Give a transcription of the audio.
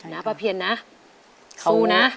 น้ำประเพียณนะสู้นะ